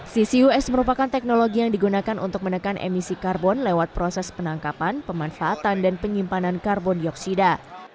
ccus merupakan teknologi yang digunakan untuk menekan emisi karbon lewat proses penangkapan pemanfaatan dan penyimpanan karbon dioksida